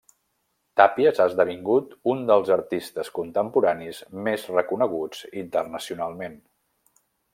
Tàpies ha esdevingut un dels artistes contemporanis més reconeguts internacionalment.